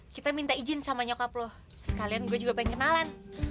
kita minta izin sama nyokap loh sekalian gue juga pengen kenalan